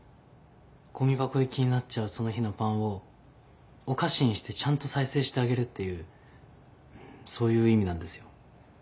ごみ箱行きになっちゃうその日のパンをお菓子にしてちゃんと再生してあげるっていうそういう意味なんですよ。